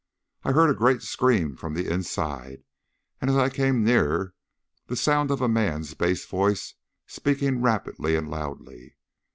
I heard a great scream from the inside, and as I came nearer the sound of a man's bass voice speaking rapidly and loudly.